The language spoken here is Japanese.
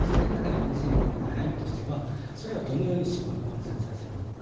尹政権の悩みとしてはそれをどのように地方に分散させるのか。